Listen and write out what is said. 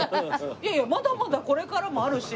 いやいやまだまだこれからもあるしって。